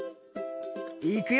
いくよ！